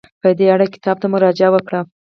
په دې اړه کتاب ته مراجعه وکړئ.